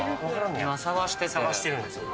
今探してて探してるんですよ